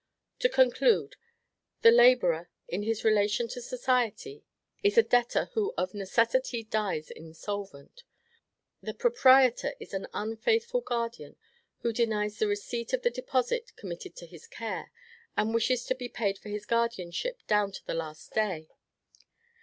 To conclude: The laborer, in his relation to society, is a debtor who of necessity dies insolvent. The proprietor is an unfaithful guardian who denies the receipt of the deposit committed to his care, and wishes to be paid for his guardianship down to the last day.